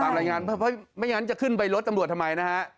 ตามรายงานไม่อย่างนั้นจะขึ้นไปรดตำรวจทำไม